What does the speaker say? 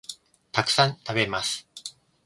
たくさん、食べます